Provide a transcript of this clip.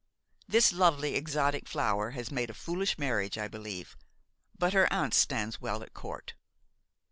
This lovely exotic flower has made a foolish marriage, I believe; but her aunt stands well at court."